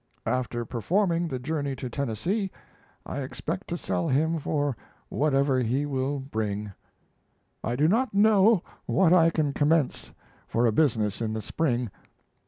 After performing the journey to Tennessee, I expect to sell him for whatever he will bring. I do not know what I can commence for a business in the spring.